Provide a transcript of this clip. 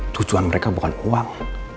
tujuan mereka bukan uang